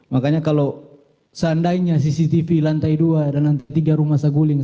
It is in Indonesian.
makanya kalau seandainya cctv lantai dua dan lantai tiga rumah saguling